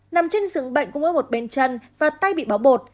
nằm trên dưỡng bệnh cùng với một bên chân và tay bị báo bột